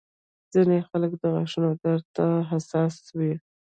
ځینې خلک د غاښونو درد ته حساس وي.